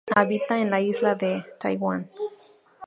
Habita en la isla de Taiwán.